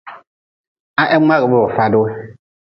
Ha he mngagbe ba fad-wu.